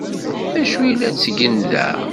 D acu ay la ttgen da?